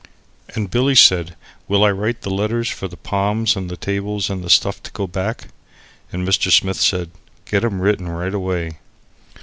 And Billy said: "Will I write the letters for the palms and the tables and the stuff to go back?" And Mr. Smith said: "Get 'em written right away."